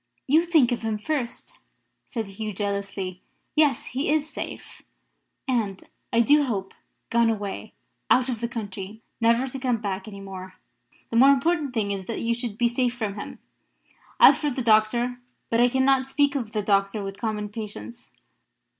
"You think of him first," said Hugh, jealously. "Yes: he is safe; and, I do hope, gone away, out of the country, never to come back any more. The more important thing is that you should be safe from him. As for the doctor but I cannot speak of the doctor with common patience.